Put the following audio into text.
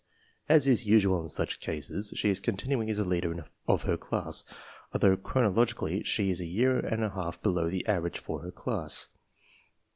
As is usual in such cases, 42 TESTS AND SCHOOL REORGANIZATION she is continuing as a leader of her class, although chron ologically she is a year and a half below the average for her class.